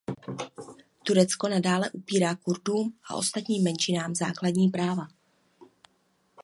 Turecko nadále upírá Kurdům a ostatním menšinám základní práva.